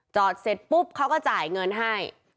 เสร็จปุ๊บเขาก็จ่ายเงินให้